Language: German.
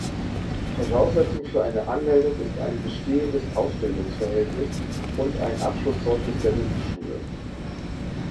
Voraussetzung für eine Anmeldung ist ein bestehendes Ausbildungsverhältnis und ein Abschlusszeugnis der Berufsschule.